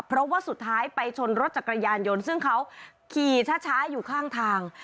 เพราะว่าสุดท้ายไปชนรถจักรยานยนต์ซึ่งเขาขี่ช้าอยู่ข้างทาง